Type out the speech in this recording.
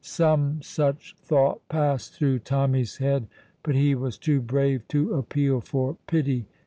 Some such thought passed through Tommy's head, but he was too brave to appeal for pity.